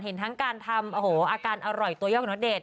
เห็นทั้งการทำโอ้โหอาการอร่อยตัวยก